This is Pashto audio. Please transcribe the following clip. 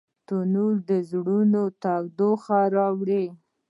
تنور د زړونو تودوخه راوړي